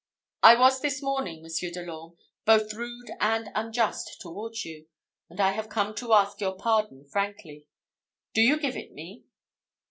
I was this morning, Monsieur de l'Orme, both rude and unjust towards you; and I have come to ask your pardon frankly. Do you give it me?"